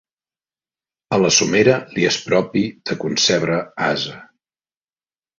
A la somera li és propi de concebre ase.